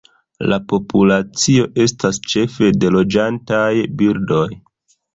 La populacio estas ĉefe de loĝantaj birdoj.